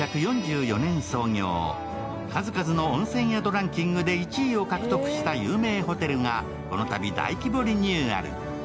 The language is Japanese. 数々の温泉宿ランキングで１位を獲得した有名ホテルがこのたび大規模リニューアル。